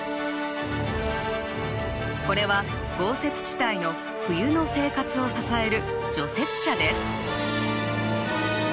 これは豪雪地帯の冬の生活を支える除雪車です。